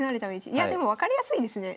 いやでも分かりやすいですね。